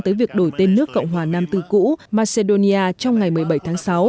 tới việc đổi tên nước cộng hòa nam tư cũ macedonia trong ngày một mươi bảy tháng sáu